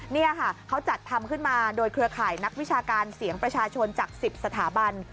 นี่ค่ะเขาจัดทำขึ้นมาโดยเครือข่ายนักวิชาการเสียงประชาชนจาก๑๐สถาบัน